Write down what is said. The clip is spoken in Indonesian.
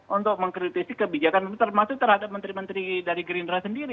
untuk mengkritisi kebijakan termasuk terhadap menteri menteri dari gerindra sendiri